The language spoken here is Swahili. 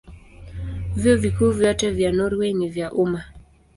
Vyuo Vikuu vyote vya Norwei ni vya umma.